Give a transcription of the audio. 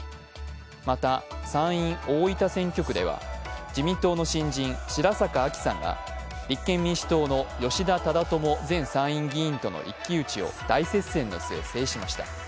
また、参院・大分選挙区では自民党の新人、白坂亜紀さんが立憲民主党の吉田忠智前参院議員との一騎打ちを大接戦の末、制しました。